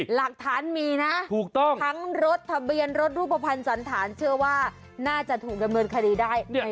หลักฐานมีนะถูกต้องทั้งรถทะเบียนรถรูปภัณฑ์สันฐานเชื่อว่าน่าจะถูกดำเนินคดีได้